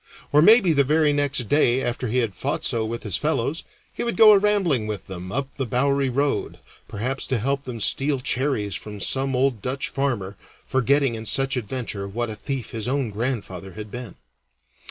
Or, maybe the very next day after he had fought so with his fellows, he would go a rambling with them up the Bowerie Road, perhaps to help them steal cherries from some old Dutch farmer, forgetting in such adventure what a thief his own grandfather had been.